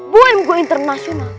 buah yang gue internasional